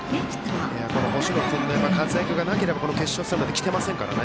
星野君の活躍がなければ決勝戦まで来ていませんからね。